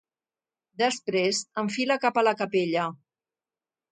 Després enfila cap a la capella.